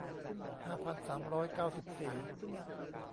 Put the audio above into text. ห้าพันสามร้อยเก้าสิบสี่